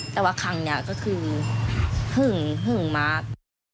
แต่ว่าครั้งนี้ก็คือหึงหึงมาก